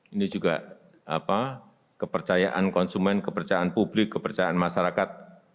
ini juga kepercayaan konsumen kepercayaan publik kepercayaan masyarakat